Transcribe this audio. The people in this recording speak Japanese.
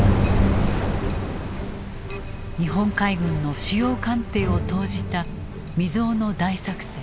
日本海軍の主要艦艇を投じた未曽有の大作戦。